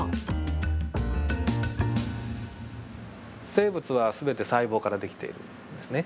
生物は全て細胞からできているんですね。